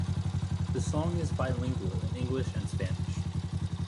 The song is bilingual in English and Spanish.